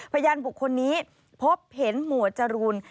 พยานบุคคลนี้พบเห็นหมวดจรูน